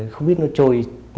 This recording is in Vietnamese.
không biết nó trôi